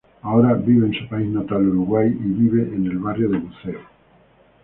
Ahora vive en su país natal Uruguay y vive en el barrio de buceo.